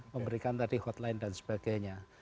memberikan tadi hotline dan sebagainya